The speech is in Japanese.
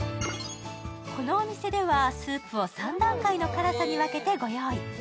このお店ではスープを３段階の辛さに分けてご用意。